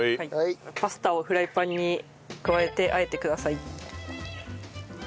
パスタをフライパンに加えて和えてください。